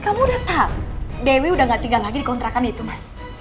apa ada hubungannya dengan dewi udah gak tinggal di kontrakan itu lagi